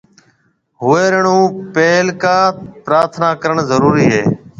هوئيرڻ هون پيل پرٿنا ڪرڻ ضرُورِي هيَ۔